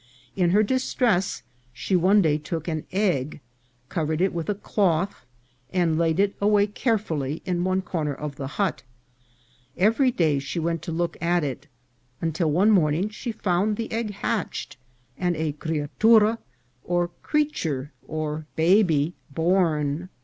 In her distress she one day took an egg, covered it with a cloth, and laid it away carefully in one corner of the hut. Every day she went to look at it, until one morning she found the egg hatched, and a criatura, or creature, or baby, born.